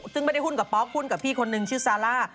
ซึ่งไม่ได้หุ้นกับป๊อกหุ้นกับพี่คนนึงชื่อซาร่า